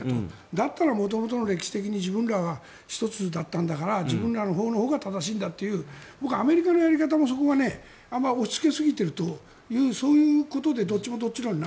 だったら、元々の歴史的に自分らは一つだったんだから自分らのほうが正しいんだという僕はアメリカのやり方も押しつけすぎているというそういうことでどっちもどっちなんだと。